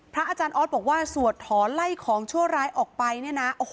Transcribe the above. อาจารย์ออสบอกว่าสวดถอนไล่ของชั่วร้ายออกไปเนี่ยนะโอ้โห